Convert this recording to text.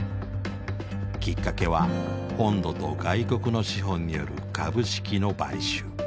きっかけは本土と外国の資本による株式の買収。